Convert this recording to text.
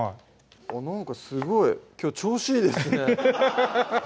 なんかすごいきょう調子いいですね